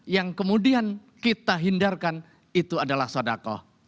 yang kemudian kita hindarkan itu adalah sodakoh